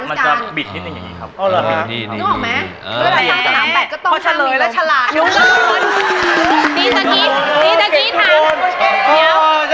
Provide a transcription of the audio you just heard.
มันจะบิดนิดนึงอย่างนี้ครับ